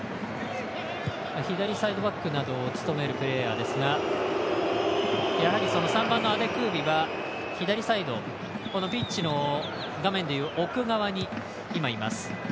左サイドバックなどを務めるプレーヤーですがやはり３番のアデクービが左サイド、ピッチの画面でいう奥側にいます。